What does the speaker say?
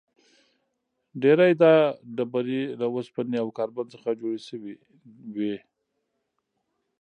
ډېری دا ډبرې له اوسپنې او کاربن څخه جوړې شوې وي.